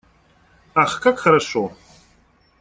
Ах, как хорошо!